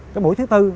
cái mũi thứ tư